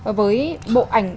và với bộ ảnh